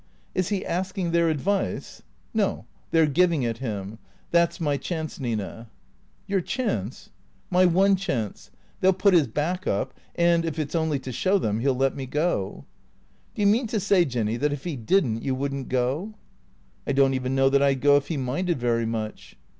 " Is he asking their advice ?"" No, they 're giving it him. That 's my chance, Nina." " Your chance ?"" My one chance. They '11 put his back up and, if it 's only to show them, he '11 let me go." " Do you mean to say, Jinny, that if he did n't you would n't go?" " I don't even know that I 'd go if he minded very much."